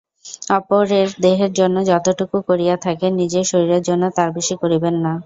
অপরের দেহের জন্য যতটুকু করিয়া থাকেন, নিজের শরীরের জন্য তার বেশী করিবেন না।